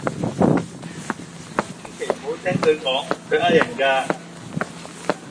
千祈唔好聽佢講，佢呃人㗎。